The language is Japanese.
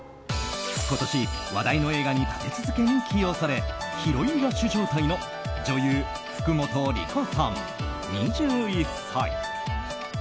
今年話題の映画に立て続けに起用されヒロインラッシュ状態の女優・福本莉子さん、２１歳。